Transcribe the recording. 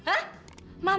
kamu beneran bikin malu